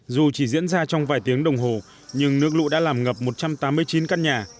dù chỉ diễn ra trong vài tiếng đồng hồ nhưng nước lũ đã làm ngập một trăm tám mươi chín căn nhà